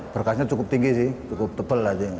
berkasnya cukup tinggi sih cukup tebal